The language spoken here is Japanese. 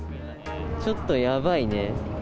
ちょっとやばいね。